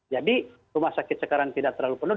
jadi rumah sakit sekarang tidak terlalu penuh